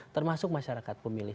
termasuk masyarakat pemilih